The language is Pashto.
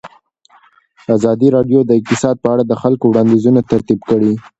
ازادي راډیو د اقتصاد په اړه د خلکو وړاندیزونه ترتیب کړي.